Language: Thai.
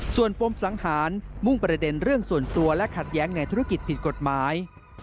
ส่วนปมสังหารมุ่งประเด็นเรื่องส่วนตัวและขัดแย้งในธุรกิจผิดกฎหมาย